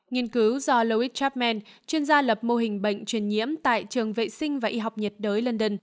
nghiên cứu do loit chabman chuyên gia lập mô hình bệnh truyền nhiễm tại trường vệ sinh và y học nhiệt đới london